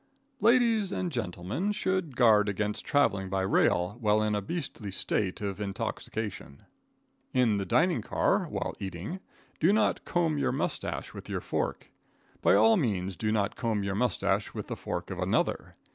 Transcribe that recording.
Ladies and gentlemen should guard against traveling by rail while in a beastly state of intoxication. In the dining car, while eating, do not comb your moustache with your fork. By all means do not comb your moustache with the fork of another.